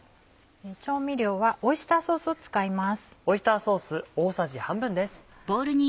調味料はオイスターソースを使います。